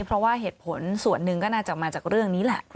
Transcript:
เพราะว่าเหตุผลส่วนหนึ่งก็น่าจะมาจากเรื่องนี้แหละ